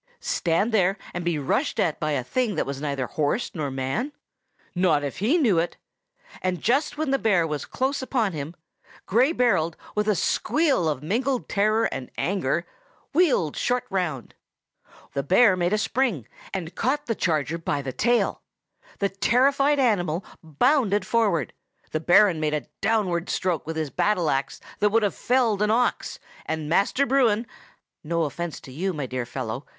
Stand there and be rushed at by a thing that was neither horse nor man? Not if he knew it! And just when the bear was close upon him, Gray Berold, with a squeal of mingled terror and anger, wheeled short round. The bear made a spring, and caught the charger by the tail. The terrified animal bounded forward; the Baron made a downward stroke with his battle axe that would have felled an ox, and Master Bruin (no offence to you, my dear fellow!